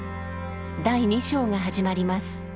第２章が始まります！